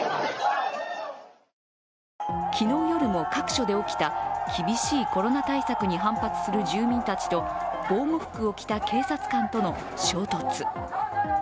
昨日、夜も各所で起きた厳しいコロナ対策に反発する住民たちと防護服を着た警察官との衝突。